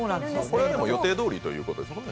これでも予定どおりということですよね。